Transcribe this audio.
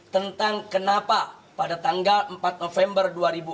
tentang kenapa pada tanggal empat november dua ribu empat belas